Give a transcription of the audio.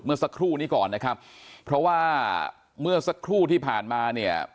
เมื่อสักครู่นี้ก่อนนะครับเพราะว่าเมื่อสักครู่ที่ผ่านมาเนี่ย